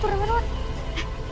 tepuk tangan kurni kurni wak